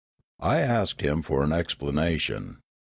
I asked him for an explanation.